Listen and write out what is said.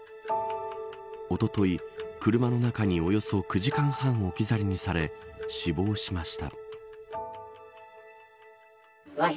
おととい、車の中におよそ９時間半、置き去りにされ死亡しました。